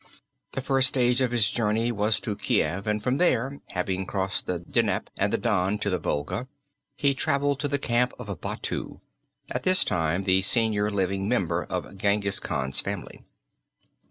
The first stage in his journey was to Kiev, and from here, having crossed the Dnieper and the Don to the Volga, he traveled to the camp of Batu, at this time the senior living member of Jenghis Khan's family.